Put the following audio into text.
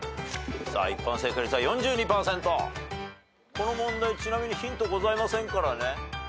この問題ちなみにヒントございませんからね。